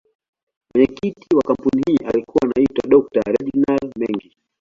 Mwenyekiti wa kampuni hii alikuwa anaitwa Dr.Reginald Mengi.